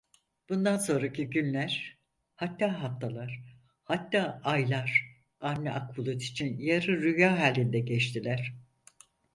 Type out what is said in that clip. Bundan sonraki günler, hatta haftalar, hatta aylar Avni Akbulut için yarı rüya halinde geçtiler.